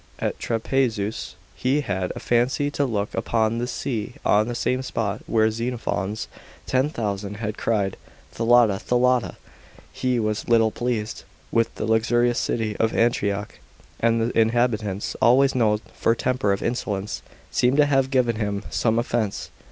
At Trapezus he had a fancy to look upon the sea on the same spot where Xenophon's Ten thousand had cried, Thalatta, Thalatta! He was little pleased with the luxurious city of Antioch, and the inhabitants, always noted for a temper of insolence, seem to have given him some offence.